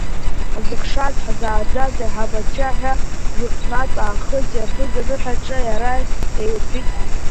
Ҳзыхшаз, ҳзааӡаз аиҳабацәа ҳәа, жәытәнатә аахыс иаԥыз аныҳәаҿа иара иааирҳәит.